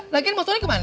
lagi motornya kemana